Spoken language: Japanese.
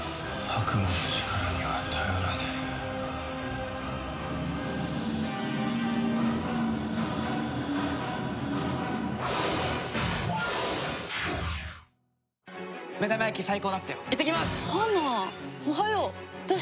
花おはよう。